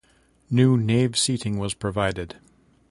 New nave seating was provided.